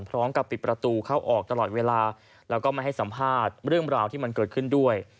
พร้อมกับปิดประตูเข้าออกตลอดเวลาแล้วก็ไม่ให้สัมภาษณ์เรื่องราวที่มันเกิดขึ้นด้วย